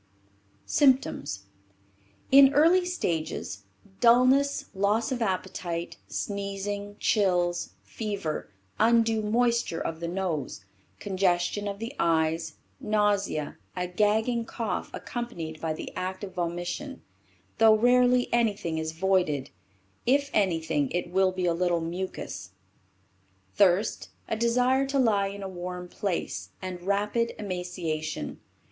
SYMPTOMS In early stages, dullness, loss of appetite, sneezing, chills, fever, undue moisture of the nose, congestion of the eyes, nausea, a gagging cough accompanied by the act of vomition, though rarely anything is voided (if anything, it will be a little mucous), thirst, a desire to lie in a warm place, and rapid emaciation.